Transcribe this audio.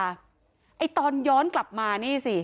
ไอ้ตอนย้อนกลับมานี่สิ